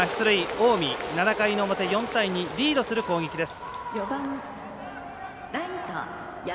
近江、７回の表４対２、リードする攻撃です。